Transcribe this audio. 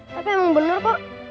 tapi emang bener kok